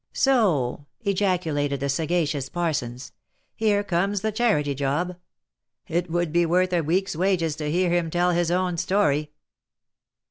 "Soh!" ejaculated the sagacious Parsons, "here comes the charity job ! It would be worth a week's wages to hear him tell his own story."